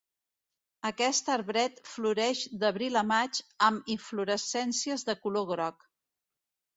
Aquest arbret floreix d'abril a maig amb inflorescències de color groc.